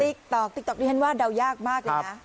ติ๊กต๊อกติ๊กต๊ดิฉันว่าเดายากมากเลยนะ